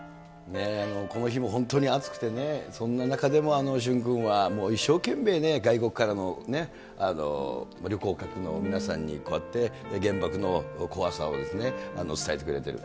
この日も本当に暑くてね、そんな中でも駿君はもう一生懸命ね、外国からの旅行客の皆さんに、こうやって原爆の怖さを伝えてくれてる。